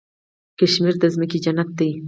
کشمیر د ځمکې جنت دی.